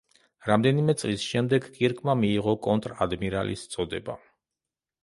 რამდენიმე წლის შემდეგ კირკმა მიიღო კონტრ-ადმირალის წოდება.